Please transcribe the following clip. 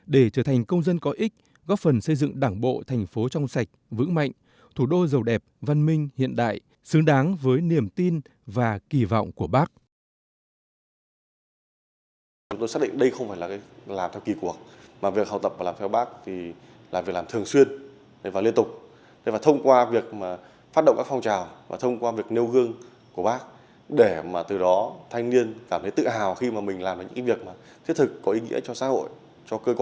để trở thành công dân có ích góp phần xây dựng đảng bộ thành phố trong sạch vững mạnh thủ đô giàu đẹp văn minh hiện đại xứng đáng với niềm tin và kỳ vọng của bác